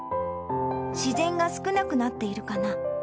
自然が少なくなっているかな。